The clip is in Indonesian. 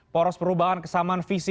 poros perubahan kesamaan visi